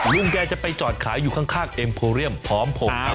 ล่าซิวดำเยอะอร่อยมาก